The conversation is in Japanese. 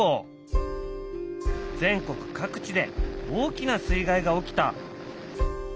全国各地で大きな水害が起きた。